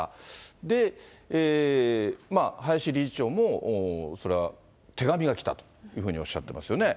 で、林理事長もそれは手紙が来たというふうにおっしゃってますよね。